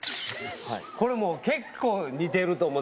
これもう結構似てると思うんすよ